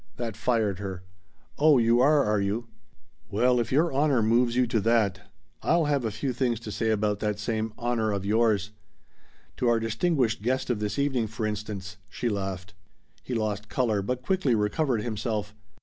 That fired her. "Oh you are, are you? Well if your honor moves you to that I'll have a few things to say about that same 'honor' of yours! To our distinguished guest of this evening, for instance," she laughed. He lost color, but quickly recovered himself.